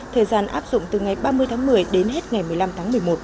thời gian áp dụng từ ngày ba mươi tháng một mươi đến hết ngày một mươi năm tháng một mươi một